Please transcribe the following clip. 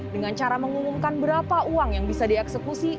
dengan cara mengumumkan berapa uang yang bisa dieksekusi